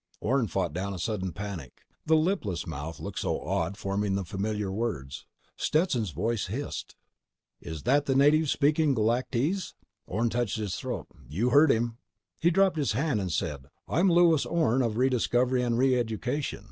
Orne fought down a sudden panic. The lipless mouth had looked so odd forming the familiar words. Stetson's voice hissed: "Is that the native speaking Galactese?" Orne touched his throat. "You heard him." He dropped his hand, said: "I am Lewis Orne of Rediscovery and Reeducation.